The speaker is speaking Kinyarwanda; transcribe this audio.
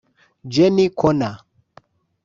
Jennie Connor